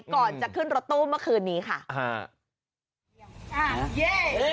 ก่อนจะขึ้นรถตู้เมื่อคืนนี้ค่ะ